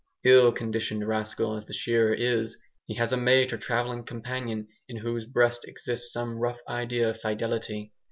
Ill conditioned rascal as the shearer is, he has a mate or travelling companion in whose breast exists some rough idea of fidelity.